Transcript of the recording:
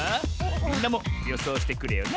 みんなもよそうしてくれよな